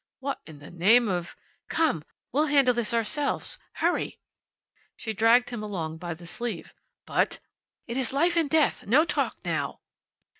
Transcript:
"What in the name of " "Come! We'll handle this ourselves. Hurry!" She dragged him along by the sleeve. "But " "It is life and death! No talk now!"